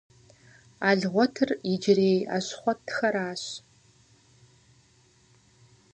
Алгъуэтыр иджырей Ащхъуэтхэращ.